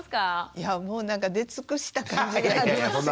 いやもうなんか出尽くした感じがありますよね。